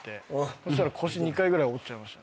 そしたら腰２回ぐらい折っちゃいました。